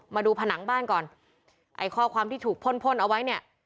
มาดูผนังบ้านก่อนไอ้ข้อความที่ถูกพ่นพ่นเอาไว้เนี่ย